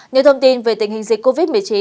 những thông tin về tình hình dịch covid một mươi chín